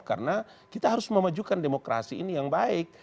karena kita harus memajukan demokrasi ini yang baik